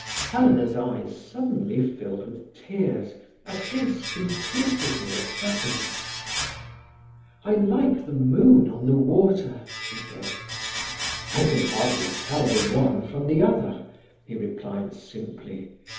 Helena's eyes suddenly filled with tears, at his simplicity of happiness. "I like the moon on the water," she said. "I can hardly tell the one from the other," he replied simply.